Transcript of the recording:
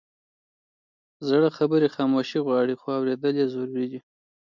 زړه خبرې خاموشي غواړي، خو اورېدل یې ضروري دي.